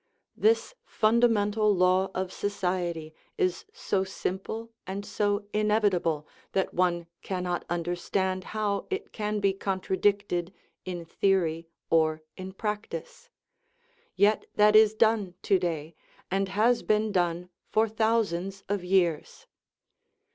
This fundamental law of society is so simple and so inevitable that one cannot understand how it can be contradicted in theory or in practice ; yet that is done to day, and has been done for thousands of years.